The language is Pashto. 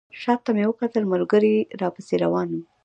شاته مې وکتل ملګري راپسې روان وو.